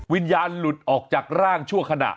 วิญญาณหลุดออกจากร่างชั่วขณะ